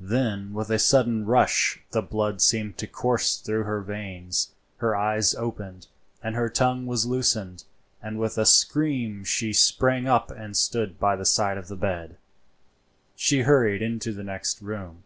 Then with a sudden rush the blood seemed to course through her veins, her eyes opened, and her tongue was loosed, and with a scream she sprang up and stood by the side of her bed. She hurried into the next room.